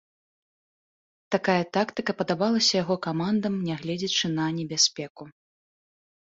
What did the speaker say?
Такая тактыка падабалася яго камандам, нягледзячы на небяспеку.